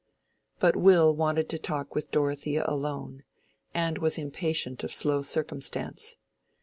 But Will wanted to talk with Dorothea alone, and was impatient of slow circumstance.